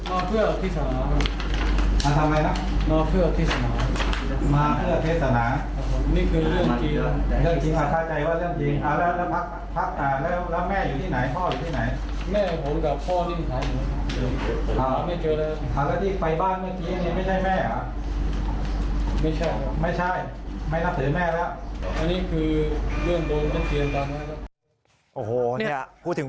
โอ้โหพูดถึงเบื้องบนน่ะ